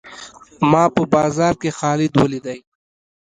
ما په بازار کښي خالد وليدئ.